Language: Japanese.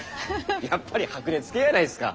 やっぱり白熱系やないですか。